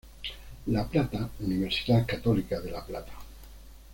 La Plata: Universidad Católica de La Plata.